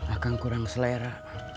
akan kurang selera